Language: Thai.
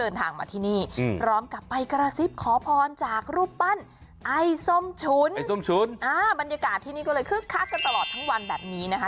เดินทางมาที่นี่พร้อมกับไปกระซิบขอพรจากรูปปั้นไอ้ส้มฉุนไอ้ส้มฉุนอ่าบรรยากาศที่นี่ก็เลยคึกคักกันตลอดทั้งวันแบบนี้นะคะ